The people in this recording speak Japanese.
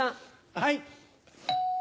はい。